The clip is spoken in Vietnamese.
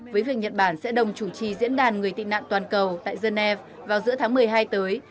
với việc nhật bản sẽ đồng chủ trì diễn đàn người tị nạn toàn cầu tại geneva vào giữa tháng một mươi hai tới